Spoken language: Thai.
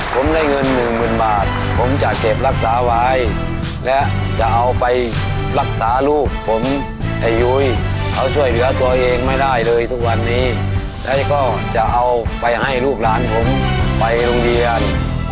ผมได้เงินหนึ่งหมื่นบาทผมจะเก็บรักษาไว้และจะเอาไปรักษาลูกผมไอ้ยุ้ยเขาช่วยเหลือตัวเองไม่ได้เลยทุกวันนี้แล้วก็จะเอาไปให้ลูกหลานผมไปโรงเรียน